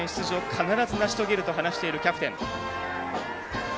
必ず成し遂げると話しているキャプテン。